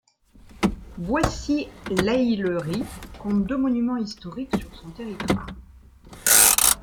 Boissy-l'Aillerie compte deux monuments historiques sur son territoire.